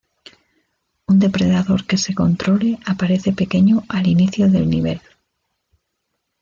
Un depredador que se controle aparece pequeño al inicio del nivel.